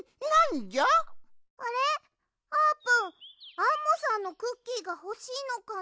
アンモさんのクッキーがほしいのかな？